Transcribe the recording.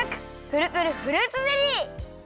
プルプルフルーツゼリー！